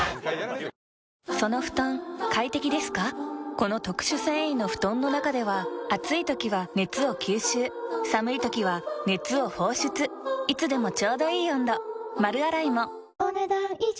この特殊繊維の布団の中では暑い時は熱を吸収寒い時は熱を放出いつでもちょうどいい温度丸洗いもお、ねだん以上。